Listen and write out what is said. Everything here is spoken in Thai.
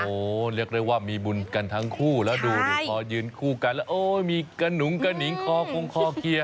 โอ้โหเรียกได้ว่ามีบุญกันทั้งคู่แล้วดูดิพอยืนคู่กันแล้วโอ้ยมีกระหนุงกระหนิงคอคงคอเคลียร์